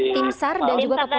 timsar dan juga kepolisian